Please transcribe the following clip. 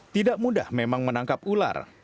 tidak mudah memang menangkap ular